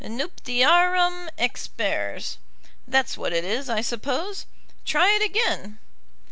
"'Nuptiarum expers.' That's what it is, I suppose. Try it again."